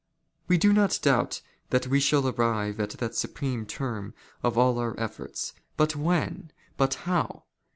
" We do not doubt that we shall arrive at that supreme term " of all our efforts ; but when ? but how